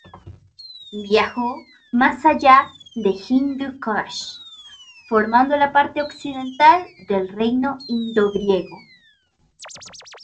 Viajó más allá del Hindu Kush, formando la parte occidental del Reino indogriego.